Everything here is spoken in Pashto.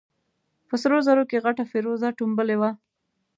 په سرو زرو کې غټه فېروزه ټومبلې وه.